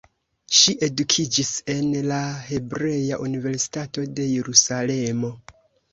Ŝi edukiĝis en la Hebrea Universitato de Jerusalemo.